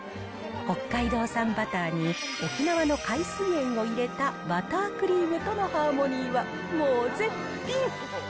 北海道産バターに、沖縄の海水塩を入れたバタークリームとのハーモニーはもう絶品。